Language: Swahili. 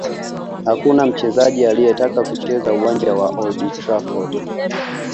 Hakuna mchezaji asiyetaka kucheza uwanja wa Old Trafford